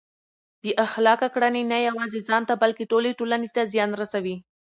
بې اخلاقه کړنې نه یوازې ځان ته بلکه ټولې ټولنې ته زیان رسوي.